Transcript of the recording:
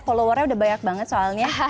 followernya udah banyak banget soalnya